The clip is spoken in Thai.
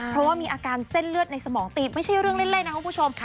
เพราะว่ามีอาการเส้นเลือดในสมองตีบไม่ใช่เรื่องเล่นนะครับคุณผู้ชม